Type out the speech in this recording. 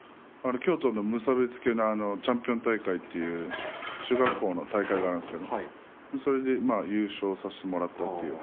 京都の無差別級のチャンピオン大会という中学校の大会があるんですけれどそれで優勝させてもらったという